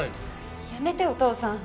やめてお父さん。